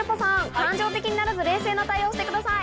感情的にならず冷静な対応をしてください。